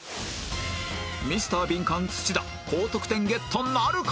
ミスタービンカン土田高得点ゲットなるか？